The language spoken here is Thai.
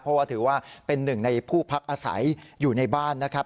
เพราะว่าถือว่าเป็นหนึ่งในผู้พักอาศัยอยู่ในบ้านนะครับ